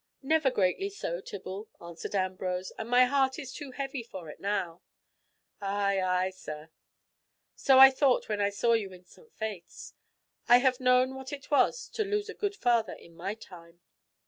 "Never greatly so, Tibble," answered Ambrose. "And my heart is too heavy for it now." "Ay, ay, sir. So I thought when I saw you in St. Faith's. I have known what it was to lose a good father in my time."